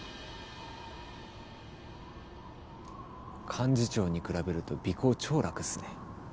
幹事長に比べると尾行超楽っすね。